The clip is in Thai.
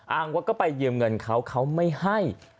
อ้างว่าก็ไปยืมเงินเขาเขาไม่ให้